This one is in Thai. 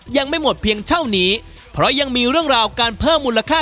ยังไม่หมดเพียงเท่านี้เพราะยังมีเรื่องราวการเพิ่มมูลค่า